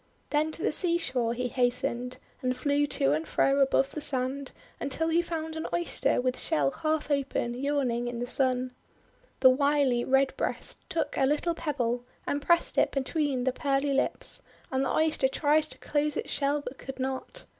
Then to the seashore he hastened, and flew to and fro above the sand, until he found an Oyster with shell half open, yawning in the Sun. The wily Redbreast took a little pebble, and pressed it between the pearly lips, and the Oyster tried to close its shell, but could not.